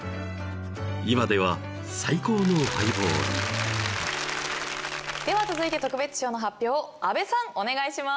［今では最高の相棒に］では続いて特別賞の発表を阿部さんお願いします。